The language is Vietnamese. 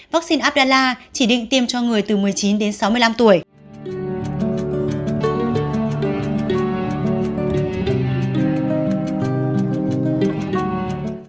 vắc xin abdala chỉ định tiêm cho người từ một mươi chín đến sáu mươi năm tuổi